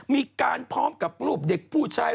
มีการพร้อมกับรูปเด็กผู้ชาย